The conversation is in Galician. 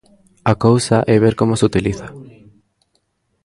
A cousa é ver como se utiliza.